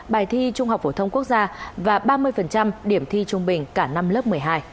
bài thi trung học phổ thông quốc gia và ba mươi điểm thi trung bình cả năm lớp một mươi hai